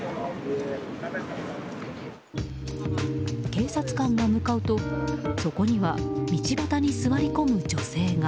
警察官が向かうとそこには道端に座り込む女性が。